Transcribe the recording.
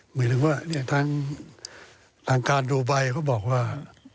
หมายถึงว่าทางการดูไบเขาบอกว่า